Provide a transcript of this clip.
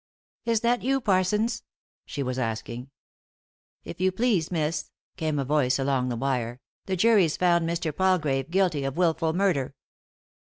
" Is that you, Parsons ?" she was asking. " If you please, miss," came a voice along the wire, "the jury's found Mr. Palgrave guilty of wilful murder."